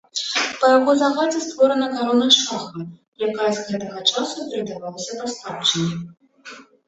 Па яго загадзе створана карона шаха, якая з гэтага часу перадавалася па спадчыне.